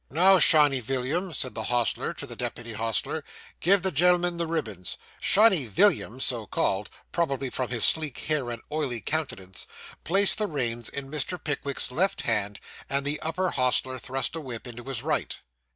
'Now, shiny Villiam,' said the hostler to the deputy hostler, 'give the gen'lm'n the ribbons.' Shiny Villiam' so called, probably, from his sleek hair and oily countenance placed the reins in Mr. Pickwick's left hand; and the upper hostler thrust a whip into his right.